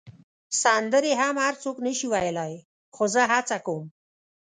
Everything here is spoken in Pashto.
سندرې هم هر څوک نه شي ویلای، خو زه هڅه کوم.